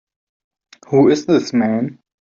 Who is this man?